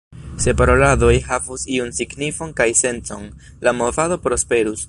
Se paroladoj havus iun signifon kaj sencon, la movado prosperus.